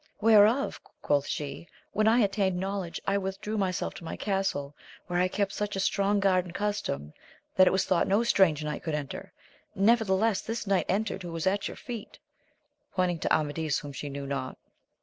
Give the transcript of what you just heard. Whereof, quoth she, when I attained knowledge, I withdrew my self to my castle, where I kept such a strong guard and custom, that it was thought no strange knight could enter ; nevertheless this knight entered who is at your feet, — pointing to Amadis whom she knew not.